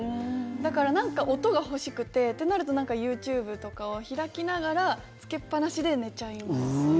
だから、なんか音が欲しくてってなるとＹｏｕＴｕｂｅとかを開きながらつけっぱなしで寝ちゃいますね。